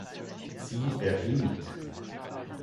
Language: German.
Sie erhielt